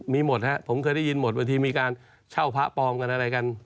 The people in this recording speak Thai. มีหมดครับผมเคยได้ยินหมดบางทีมีการเช่าพระปลอมกันอะไรกัน